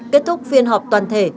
kết thúc phiên họp toàn thể